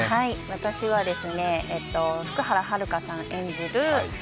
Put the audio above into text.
私は福原遥さん演じる